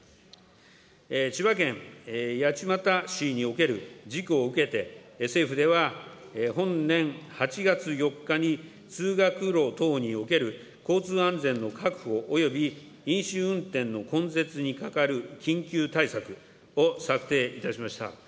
千葉県八街市における事故を受けて、政府では本年８月４日に、通学路等における交通安全の確保および飲酒運転の根絶にかかる緊急対策を策定いたしました。